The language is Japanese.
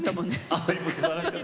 「あい！」もすばらしかった。